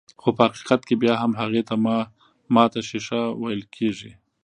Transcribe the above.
خو په حقيقت کې بيا هم هغې ته ماته ښيښه ويل کيږي.